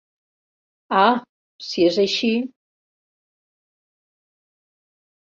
Ah, si és així...